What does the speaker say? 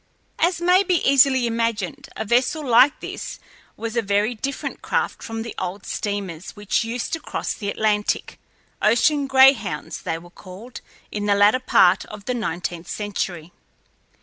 As may be easily imagined, a vessel like this was a very different craft from the old steamers which used to cross the Atlantic "ocean greyhounds" they were called in the latter part of the nineteenth century.